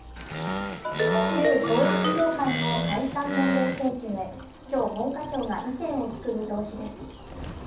旧統一教会の解散命令請求へ今日、文科省が意見を聞く見通しです。